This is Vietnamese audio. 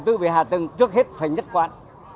tư về hạ tầng trước hết phải nhất quản